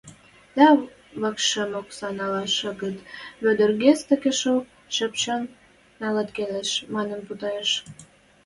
дӓ, «Вӓкшӹм оксала нӓлӓш агыл, Вӧдӹр гӹц такешок шыпшын нӓлӓш келеш» манын путайыш.